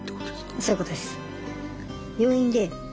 そういうことです。